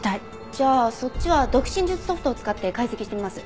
じゃあそっちは読唇術ソフトを使って解析してみます。